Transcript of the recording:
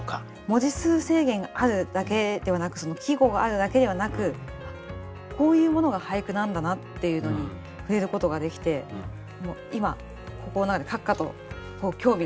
文字数制限があるだけではなくその季語があるだけではなくこういうものが俳句なんだなっていうのに触れることができて今心の中でカッカと興味が燃えてます。